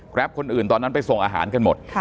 คนอื่นตอนนั้นไปส่งอาหารกันหมด